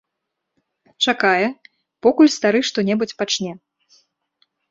Чакае, покуль стары што-небудзь пачне.